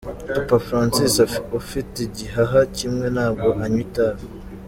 Papa Francis ufite igihaha kimwe ntabwo anywa itabi.